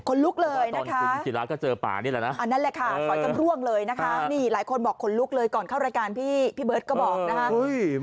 ขนลุกเลยนะคะอันนั้นแหละค่ะสอนกำล่วงเลยนะคะหลายคนบอกขนลุกเลยก่อนเข้ารายการพี่เบิร์ตก็บอกนะครับ